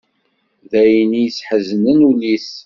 D ayen i yesḥeznen ul-is.